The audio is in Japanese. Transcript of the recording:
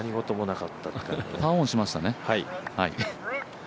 パーオンしましたね。